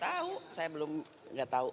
tahu saya belum nggak tahu